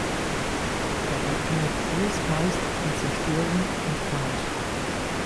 Dabei endet alles meist in Zerstörung und Chaos.